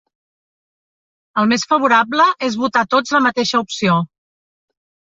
El més favorable és votar tots la mateixa opció.